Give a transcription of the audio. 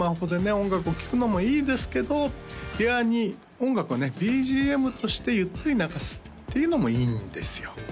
音楽を聴くのもいいですけど部屋に音楽はねＢＧＭとしてゆっくり流すっていうのもいいんですよ